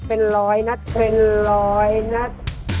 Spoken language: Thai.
เป็นร้อยนัดเป็นร้อยนัด